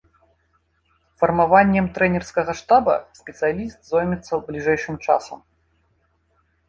Фармаваннем трэнерскага штаба спецыяліст зоймецца бліжэйшым часам.